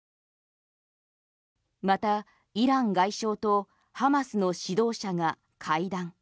またイラン外相とハマスの指導者が会談。